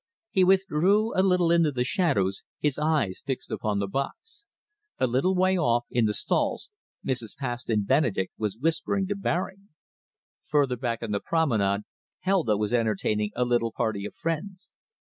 He withdrew a little into the shadows, his eyes fixed upon the box. A little way off, in the stalls, Mrs. Paston Benedek was whispering to Baring. Further back in the Promenade, Helda was entertaining a little party of friends.